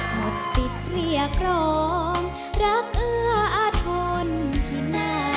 หมดศิษย์เรียกรองรักเอื้ออาทนที่ใน